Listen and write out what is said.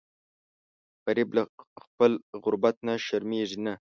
غریب له خپل غربت نه شرمیږي نه